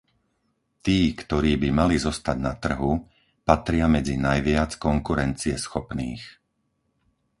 Tí, ktorí by mali zostať na trhu, patria medzi najviac konkurencieschopných.